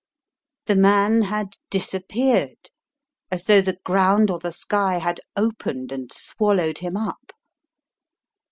The man had disappeared as though the ground or the sky had opened and swallowed him up.